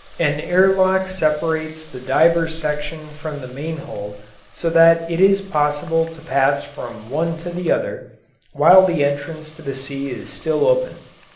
An air lock separates the diver's section from the main hold so that it is possible to pass from one to the other while the entrance to the sea is still open.